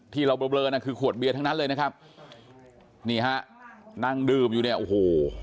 ที่เราเบลอน่ะคือขวดเบียร์ทั้งนั้นเลยนะครับนี่ฮะนั่งดื่มอยู่เนี่ยโอ้โห